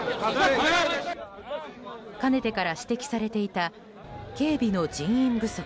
かねてから指摘されていた警備の人員不足。